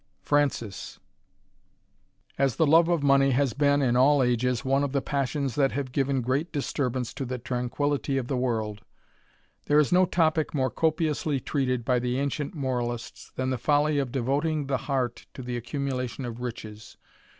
Franc;^ A S the love of money has been, in all ages, one of the ^^ passions that have given great disturbance to the tranquillity of the world, there is no topick more copiously treated by the ancient moralists than the folly of devoting the heart to the accumulation of riches.